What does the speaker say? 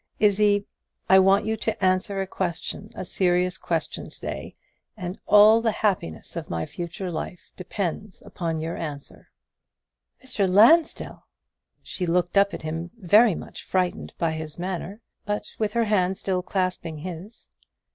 Izzie, I want you to answer a serious question to day, and all the happiness of my future life depends upon your answer." "Mr. Lansdell!" She looked up at him very much frightened by his manner, but with her hand still clasping his.